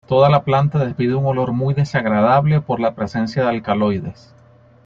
Toda la planta despide un olor muy desagradable por la presencia de alcaloides.